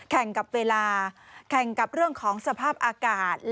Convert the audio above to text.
แข่งกับเวลาแข่งกับเรื่องของสภาพอากาศ